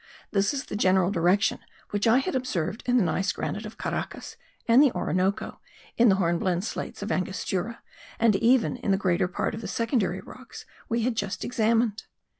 This is the general direction which I had observed in the gneiss granite of Caracas and the Orinoco, in the hornblende slates of Angostura, and even in the greater part of the secondary rocks we had just examined.